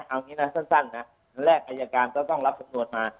เอางี้นะสั้นนะแรกอายการก็ต้องรับสำนวนมา